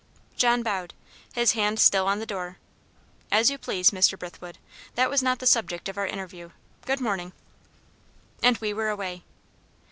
John bowed, his hand still on the door. "As you please, Mr. Brithwood. That was not the subject of our interview. Good morning." And we were away.